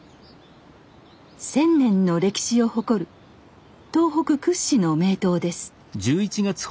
１，０００年の歴史を誇る東北屈指の名湯です